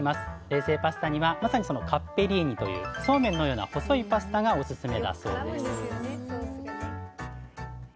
冷製パスタにはまさにそのカッペリーニというそうめんのような細いパスタがオススメだそうです